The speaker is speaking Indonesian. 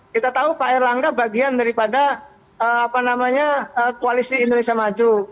kita tahu pak erlangga bagian daripada koalisi indonesia maju